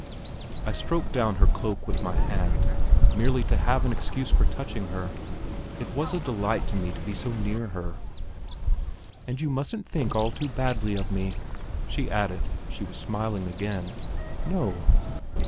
I stroked down her cloak with my hand, merely to have an excuse for touching her. It was a delight to me to be so near her. "And you mustn't think all too badly of me," she added; she was smiling again. "No."